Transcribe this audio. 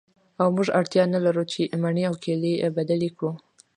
او موږ اړتیا نلرو چې مڼې او کیلې بدلې کړو